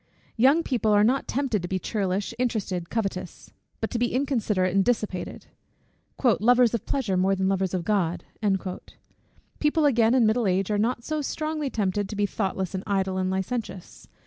Young people are not tempted to be churlish, interested, covetous; but to be inconsiderate and dissipated, "lovers of pleasure more than lovers of God." People again in middle age are not so strongly tempted to be thoughtless, and idle, and licentious.